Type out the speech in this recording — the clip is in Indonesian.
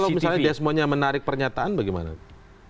tapi kalau desmon yang menarik pernyataan bagaimana